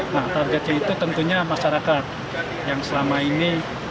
nah targetnya itu tentunya masyarakat yang selama ini